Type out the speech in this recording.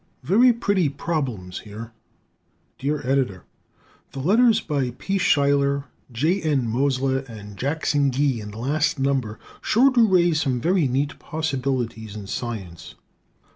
"Very Pretty Problems Here" Dear Editor: The letters by P. Schuyler, J. N. Mosleh, and Jackson Gee in the last number sure do raise some very neat possibilities in Science.